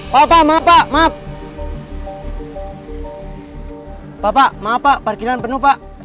pa pa maaf pa parkiran penuh pa